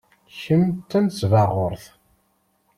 Kemm d tanesbaɣurt.